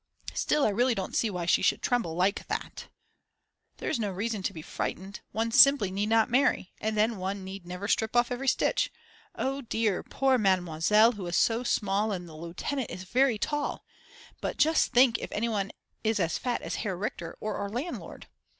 Still I really don't see why she should tremble like that. There is no reason to be frightened, one simply need not marry, and then one need never strip off every stitch, and oh dear, poor Mademoiselle who is so small and the lieutenant is very tall. But just think if anyone is as fat as Herr Richter or our landlord.